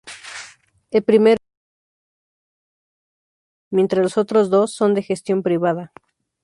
El primero es de titularidad municipal mientras los otros dos son de gestión privada.